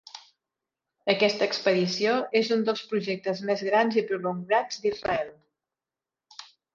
Aquesta expedició és un dels projectes més grans i prolongats d'Israel.